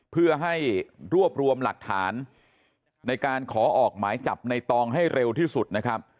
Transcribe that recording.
เพื่อให้รวบรวมหลักฐานในการขอออกหมายจับในตองให้เร็วที่สุดนะครับ